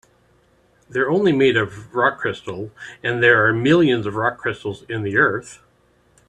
They're only made of rock crystal, and there are millions of rock crystals in the earth.